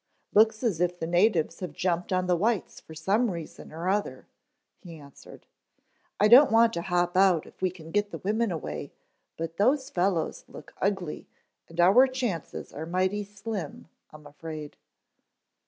"Looks as if the natives have jumped on the whites for some reason or other," he answered. "I don't want to hop out if we can get the women away, but those fellows look ugly and our chances are mighty slim, I'm afraid."